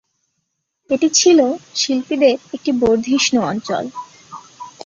এটি ছিল শিল্পীদের একটি বর্ধিষ্ণু অঞ্চল।